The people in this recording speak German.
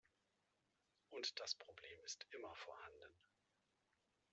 Und das Problem ist immer vorhanden.